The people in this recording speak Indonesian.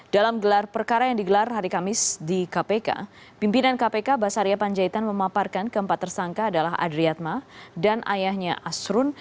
dalam gelar perkara yang digelar hari kamis di kpk pimpinan kpk basaria panjaitan memaparkan keempat tersangka adalah adriatma dan ayahnya asrun